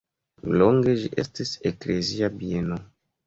Longe ĝi estis eklezia bieno.